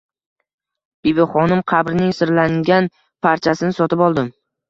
Bibixonim qabrining sirlangan parchasini sotib oldim